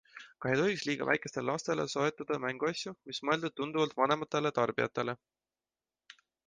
Ka ei tohiks liiga väikestele lastele soetada mänguasju, mis mõeldud tunduvalt vanemale tarbijale.